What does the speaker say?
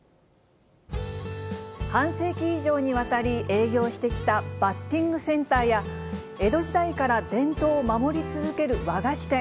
半世紀以上にわたり営業してきたバッティングセンターや、江戸時代から伝統を守り続ける和菓子店。